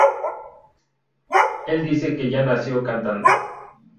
Él dice que ya nació cantando.